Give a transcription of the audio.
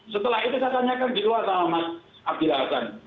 setelah itu saya tanyakan di luar sama mas abdil hasan